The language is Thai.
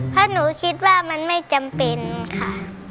เพราะหนูคิดว่ามันไม่จำเป็นค่ะ